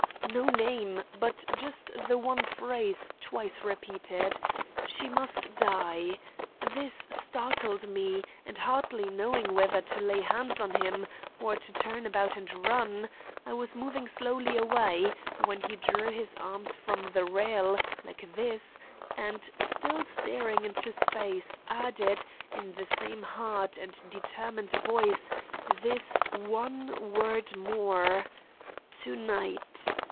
_' No name, but just the one phrase twice repeated, 'She must die!' This startled me, and hardly knowing whether to lay hands on him, or to turn about and run, I was moving slowly away, when he drew his arms from the rail, like this, and, still staring into space, added, in the same hard and determined voice, this one word more, 'To night!